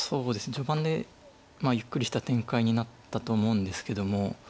序盤でゆっくりした展開になったと思うんですけども。